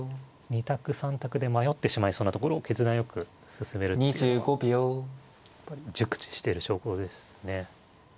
２択３択で迷ってしまいそうなところを決断よく進めるっていうのはやっぱり熟知してる証拠ですね。